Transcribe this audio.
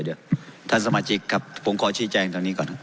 เดี๋ยวท่านสมาชิกครับผมขอชี้แจงตอนนี้ก่อน